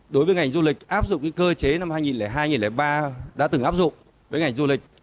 đối với ngành du lịch áp dụng cơ chế năm hai nghìn hai ba đã từng áp dụng với ngành du lịch